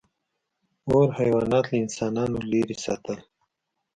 • اور حیوانات له انسانانو لرې ساتل.